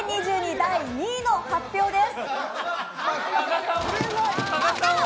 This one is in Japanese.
第２位の発表です。